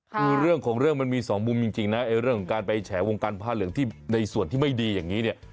คือเรื่องของเรื่องมันมีสองมุมจริงนะเรื่องของการไปแฉวงการผ้าเหลืองที่ในส่วนที่ไม่ดีอย่างนี้เนี่ย